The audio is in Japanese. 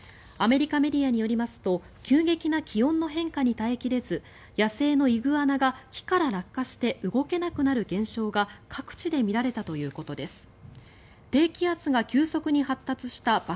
アメリカメディアによりますと急激な気温の変化に耐え切れず野生のイグアナが木から落下して動けなくなる現象が各地で見られたということです。